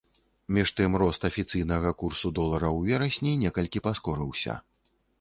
Між тым рост афіцыйнага курсу долара ў верасні некалькі паскорыўся.